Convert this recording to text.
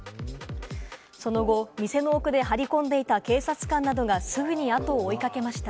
その後、店の奥で張り込んでいた警察官などが、すぐに後を追いかけました。